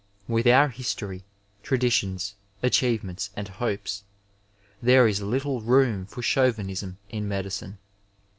With OUT Histoiy, Traditions, Achievements, and Hopes, there is little room for Chauvinism in medicine.